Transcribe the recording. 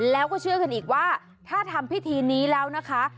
แล้วก็เชื่อกันอีกว่าถ้าทำพิธีนี้แล้วนะคะ